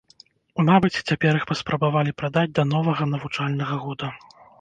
Мабыць, цяпер іх паспрабавалі прадаць да новага навучальнага года.